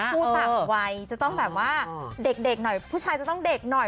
ผู้ต่างวัยจะต้องแบบว่าเด็กหน่อยผู้ชายจะต้องเด็กหน่อย